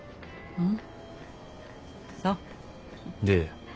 うん。